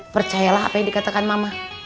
percayalah apa yang dikatakan mama